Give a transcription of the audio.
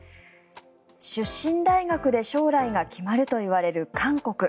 出身大学で将来が決まるといわれる韓国。